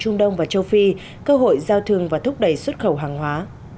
trung đông và châu phi cơ hội giao thương và thúc đẩy xuất khẩu hàng hóa